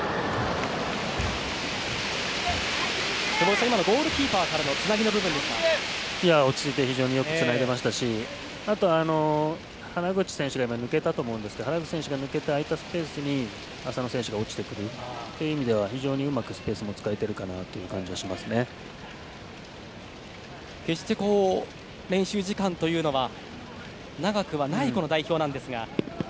坪井さん、今のゴールキーパーからの落ち着いて非常によくつないでいましたしあとは原口選手が抜けたと思うんですが原口選手が抜けて空いたスペースに浅野選手が落ちてくるという意味では非常にうまくスペースも使えているかなという決して練習時間というのは長くはない代表なんですが。